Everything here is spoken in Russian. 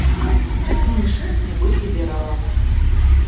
Это не мешает мне быть либералом.